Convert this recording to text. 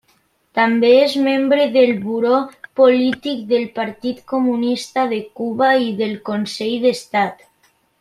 També és membre del Buró Polític del Partit Comunista de Cuba i del Consell d'Estat.